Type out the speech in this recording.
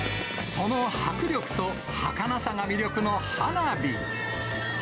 その迫力とはかなさが魅力の花火。